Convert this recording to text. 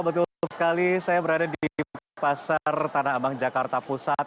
betul sekali saya berada di pasar tanah abang jakarta pusat